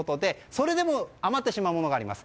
それでも余ってしまうものがあります。